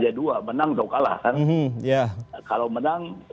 ya tentunya dalam hal ini kita harus berharap